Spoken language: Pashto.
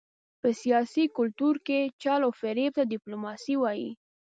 په سیاسي کلتور کې چل او فرېب ته ډیپلوماسي وايي.